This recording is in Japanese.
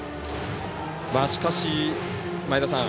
しかし、前田さん